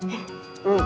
うん。